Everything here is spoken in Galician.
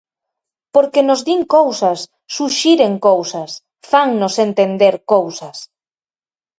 Porque nos din cousas, suxiren cousas, fannos entender cousas.